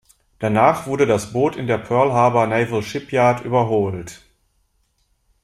Danach wurde das Boot in der Pearl Harbor Naval Shipyard überholt.